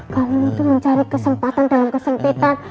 kalian itu mencari kesempatan dalam kesempitan